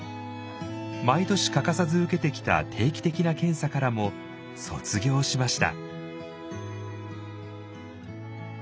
毎年欠かさず受けてきた定期的な検査からも卒業しました。